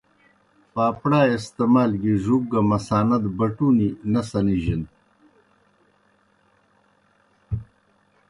پاپڑائے استعمال گیْ ڙُوک گہ مثانہ دہ بݨُوݨی نہ سنِجنَ۔